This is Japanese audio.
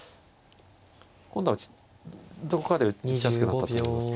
今度はどこかで打ちやすくなったと思います。